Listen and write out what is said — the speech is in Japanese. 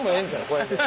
こうやって。